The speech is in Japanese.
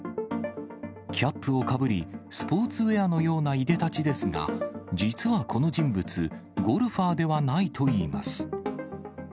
キャップをかぶり、スポーツウエアのようないでたちですが、実はこの人物、ゴルファーではないといいます。